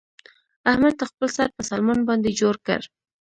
احمد خپل سر په سلمان باندې جوړ کړ.